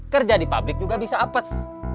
kerja di pabrik juga bisa apes